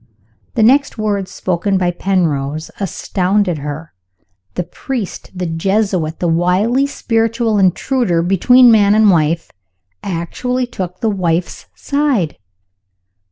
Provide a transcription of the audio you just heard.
The next words, spoken by Penrose, astounded her. The priest, the Jesuit, the wily spiritual intruder between man and wife, actually took the wife's side!)